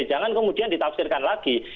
jangan kemudian ditafsirkan lagi